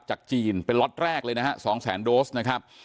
จากจีนเป็นล็อตแรกเลยนะฮะ๒แสนโดสนะครับ